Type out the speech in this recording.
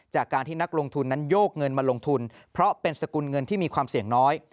จากการที่นักลงทุนนั้นโยกเงินมาลงทุนเพราะเป็นสกุลเงินที่มีความเสี่ยงน้อย